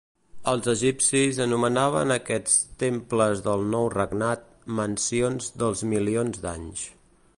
Els egipcis anomenaven aquests temples del nou regnat "mansions dels milions d'anys".